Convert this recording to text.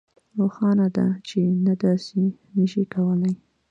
روښانه ده چې نه داسې نشئ کولی